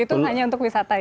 itu hanya untuk wisata ya